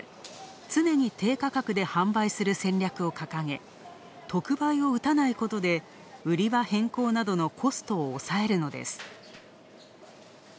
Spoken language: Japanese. つねに低価格で販売する戦略を掲げ、特売を打たないことで売り場変更などのコストを抑えるのです。